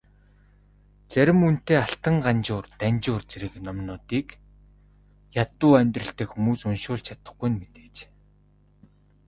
Зарим үнэтэй Алтан Ганжуур, Данжуур зэрэг номуудыг ядуу амьдралтай хүмүүс уншуулж чадахгүй нь мэдээж.